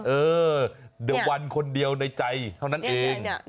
เออเดี๋ยววันคนเดียวในใจเท่านั้นเอง